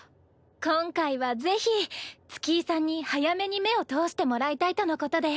今回はぜひ月居さんに早めに目を通してもらいたいとのことで。